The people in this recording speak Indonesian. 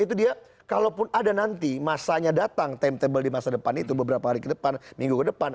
itu dia kalaupun ada nanti masanya datang timetable di masa depan itu beberapa hari ke depan minggu ke depan